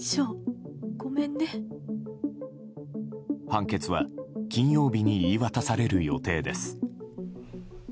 判決は金曜日に言い渡される予定です。